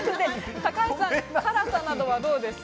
高橋さん、辛さなど、どうですか？